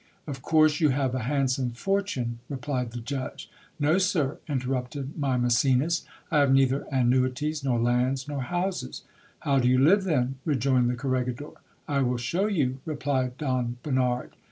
Of course you have a handsome fortune ! replied the judge. No, sir, interrupted my Mecenas, I have neither annuities, nor lands, nor houses. How do you live then ? re joined the corregidor. I will show you, replied Don Bernard.